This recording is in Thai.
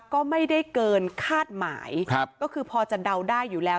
ก็ไม่ได้เกินคาดหมายครับก็คือพอจะเดาได้อยู่แล้ว